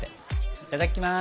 いただきます！